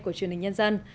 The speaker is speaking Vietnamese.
của truyền hình nhân dân